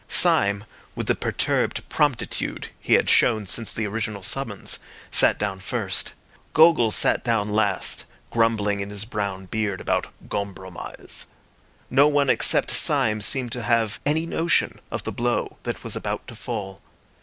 Syme, with the perturbed promptitude he had shown since the original summons, sat down first. Gogol sat down last, grumbling in his brown beard about gombromise. No one except Syme seemed to have any notion of the blow that was about to fall.